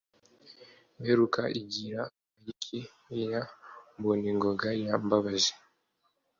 Mberuka igira Mpayiki Ya Mboningoga ya Mbabazi